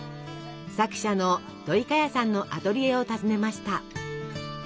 作者のどいかやさんのアトリエを訪ねました。